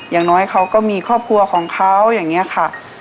อย่างน้อยเขาก็มีครอบครัวของเขาอย่างนี้ค่ะ